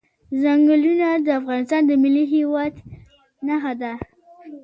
ځنګلونه د افغانستان د ملي هویت نښه ده.